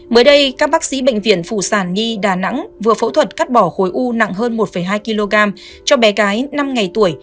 mới đây các bác sĩ bệnh viện phụ sản nhi đà nẵng vừa phẫu thuật cắt bỏ khối u nặng hơn một hai kg cho bé gái năm ngày tuổi